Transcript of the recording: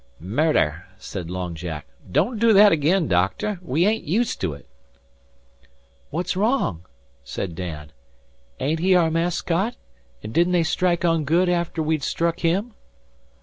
"Murder!" said Long Jack. "Don't do that again, doctor. We ain't used to ut." "What's wrong?" said Dan. "Ain't he our mascot, and didn't they strike on good after we'd struck him?"